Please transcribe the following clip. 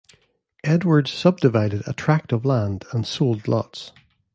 Edwards subdivided a tract of land and sold lots.